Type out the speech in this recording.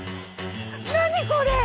何これ！？